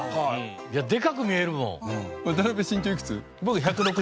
でかく見えるもん。